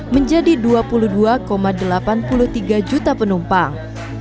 menjadi dua puluh dua delapan puluh tiga juta penumpang